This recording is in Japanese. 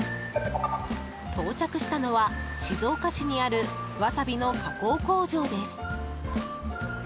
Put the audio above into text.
到着したのは、静岡市にあるワサビの加工工場です。